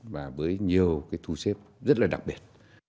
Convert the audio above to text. và với nhiều thu xếp rất là đặc biệt